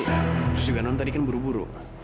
terus juga non tadi kan buru buru